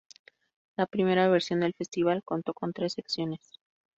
La primera versión del Festival contó con tres secciones.